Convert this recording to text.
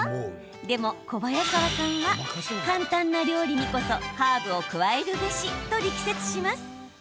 でも小早川さんは簡単な料理にこそハーブを加えるべしと力説します。